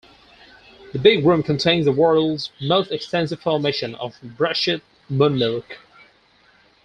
The Big Room contains the world's most extensive formation of brushite moonmilk.